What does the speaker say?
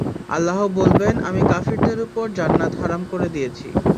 আল্লাহ বলবেন, আমি কাফিরদের উপর জান্নাত হারাম করে দিয়েছি।